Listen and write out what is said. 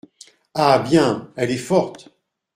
Ah bien ! elle est forte !